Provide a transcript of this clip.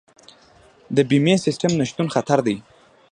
د بیمې سیستم نشتون خطر دی.